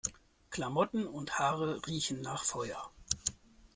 Klamotten und Haare riechen nach Feuer.